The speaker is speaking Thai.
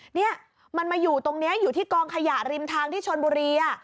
เนี่ยมันมาอยู่ตรงนี้อยู่ที่กองขยะริมทางที่ชนบุรี